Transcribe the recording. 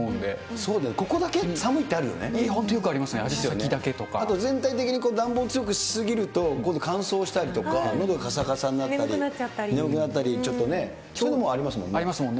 そうだよね、ここだけ寒いっ本当よくありますよね、あと全体的に暖房強くし過ぎると、今度乾燥したりとか、のど、かさかさになったり、眠くなったりちょっとね、そういうのもありますもんね。